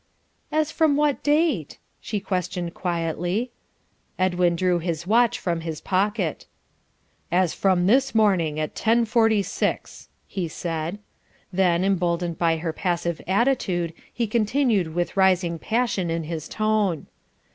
"As from what date?" she questioned quietly. Edwin drew his watch from his pocket. "As from this morning, at ten forty six," he said. Then, emboldened by her passive attitude, he continued with rising passion in his tone.